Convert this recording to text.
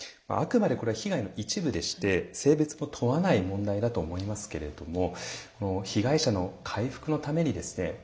あくまでこれは被害の一部でして性別も問わない問題だと思いますけれども被害者の回復のためにですね